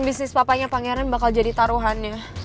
bisnis papahnya pangeran bakal jadi taruhan ya